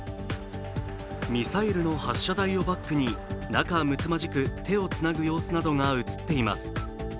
ミサイルの発射台をバックに仲むつまじく手をつなぐ様子などが映っています。